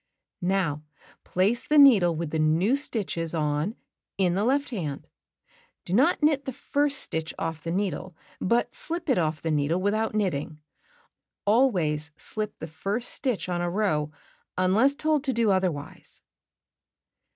Now place the needle with the new stitches on, in the left hand. Do not knit the first stitch off the needle, but slip it off the needle without knitting. Always slip the first stitch on a row unless told to do otherwise.